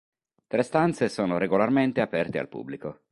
Tre stanze sono regolarmente aperte al pubblico.